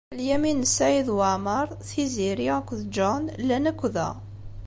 Lyamin n Saɛid Waɛmeṛ, Tiziri akked John llan akk da.